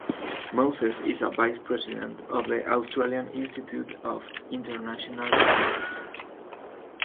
Moses is a Vice-President of the Australian Institute of International Affairs.